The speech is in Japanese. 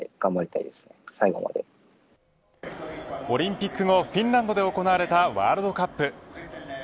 オリンピック後フィンランドで行われたワールドカップ。